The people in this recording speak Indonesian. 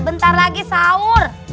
bentar lagi sahur